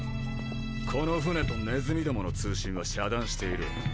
この船とネズミどもの通信は遮断している。